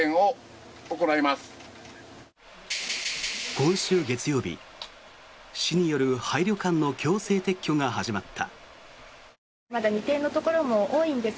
今週月曜日、市による廃旅館の強制撤去が始まった。